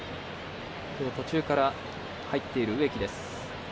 今日、途中から入っている植木。